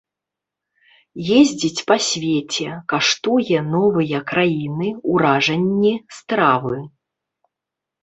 Ездзіць па свеце, каштуе новыя краіны, уражанні, стравы.